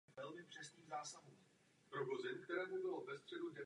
Jihozápadně od Lübecku jsou další dvě dálniční křižovatky.